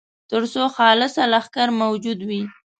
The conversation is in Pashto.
تر څو خلصه لښکر موجود وي.